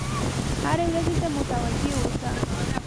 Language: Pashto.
هرې ورځې ته متوجه اوسه.